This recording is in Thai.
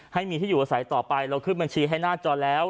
ให้มีที่อยู่อาศัยต่อไปเราขึ้นบัญชีให้หน้าจอแล้ว